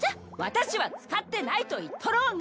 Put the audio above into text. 私は使ってないと言っとろうがっ！